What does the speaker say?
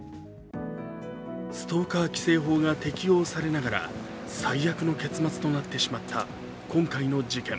ストーカー規制法が適用されながら最悪の結末となってしまった今回の事件。